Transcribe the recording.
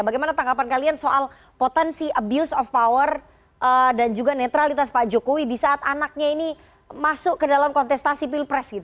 bagaimana tanggapan kalian soal potensi abuse of power dan juga netralitas pak jokowi di saat anaknya ini masuk ke dalam kontestasi pilpres gitu